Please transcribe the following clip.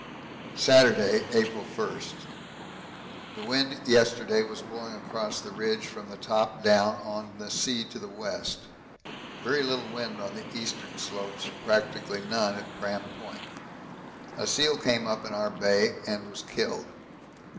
Saturday, April 1. The wind yesterday was blowing across the Ridge from the top down on the sea to the west: very little wind on the eastern slopes and practically none at Pram Point. A seal came up in our Bay and was killed.